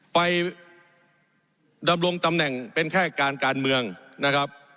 ไปดำรงตำแหน่งเป็นแค่การการเมืองนะครับ